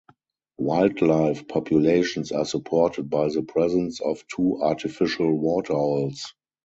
Wildlife populations are supported by the presence of two artificial waterholes.